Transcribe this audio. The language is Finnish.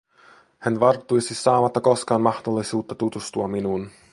Hän varttuisi saamatta koskaan mahdollisuutta tutustua minuun.